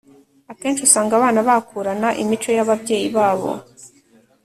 Akenshi usanga abana bakurana imico yababyeyi babo